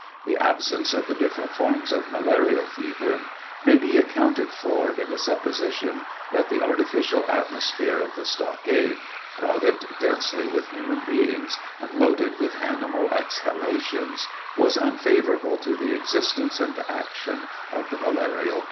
The absence of the different forms of malarial fever may be accounteij for in the supposition ihat the artificial atmosphere of the stockade, crowded densely wuh humaii beings, and loaded with animal exhalations, was unfavorable to the existence and action of the malarial